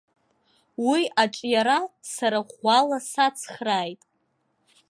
Уи аҿиара сара ӷәӷәала сацхрааит.